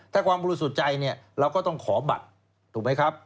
ถ้าความบริสุทธิ์ใจเนี่ยเราก็ต้องขอบัตรถูกไหมครับ